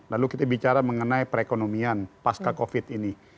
lalu kita bicara mengenai perekonomian pasca covid ini